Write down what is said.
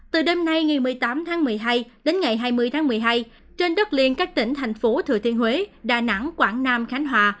từ đêm nay ngày một mươi tám tháng một mươi hai đến ngày hai mươi tháng một mươi hai trên đất liền các tỉnh thành phố thừa thiên huế đà nẵng quảng nam khánh hòa